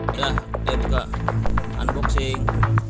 udah udah buka unboxing